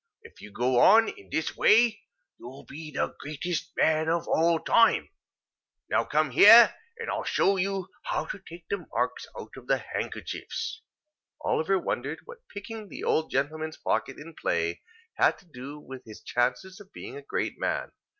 If you go on, in this way, you'll be the greatest man of the time. And now come here, and I'll show you how to take the marks out of the handkerchiefs." Oliver wondered what picking the old gentleman's pocket in play, had to do with his chances of being a great man.